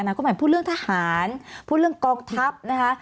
คตใหม่พูดเรื่องทหารพูดเรื่องกองทัพนะคะ